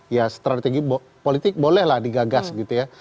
ya strategi politik bolehlah digagas gitu ya